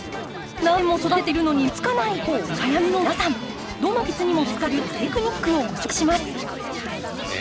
何年も育てているのに実がつかないとお悩みの皆さんどの柑橘にも使えるテクニックを紹介します。